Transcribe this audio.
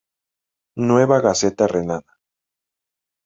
Nueva Gaceta Renana.